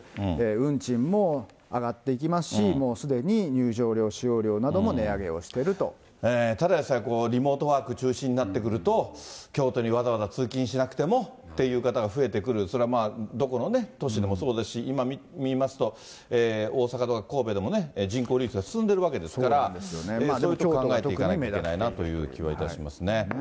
運賃も上がっていきますし、もうすでに入場料、使用料なども値上ただでさえ、リモートワーク中心になってくると、京都にわざわざ通勤しなくてもっていう方が増えてくる、それはどこの都市でもそうですし、今見ますと、大阪とか神戸でもね、人口率が進んでるわけですから、そういうことを考えていかなきゃいけないなというふうに思いますね。